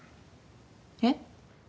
えっ？